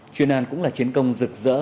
chuyên an cũng là chiến công rực rỡ